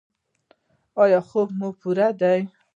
ایا خوب مو پوره دی؟